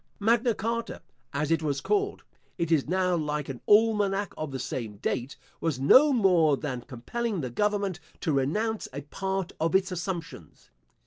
Magna Charta, as it was called (it is now like an almanack of the same date), was no more than compelling the government to renounce a part of its assumptions.